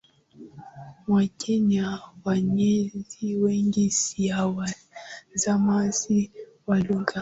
mwa Kenya wenyeji wengi si wasemaji wa lugha